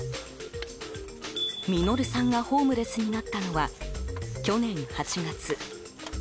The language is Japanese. ミノルさんがホームレスになったのは去年８月。